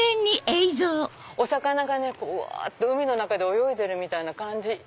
お魚がうわって海の中で泳いでるみたいな感じ。